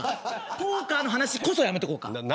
ポーカーの話こそやめておこう。